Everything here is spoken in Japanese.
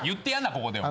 ここでは。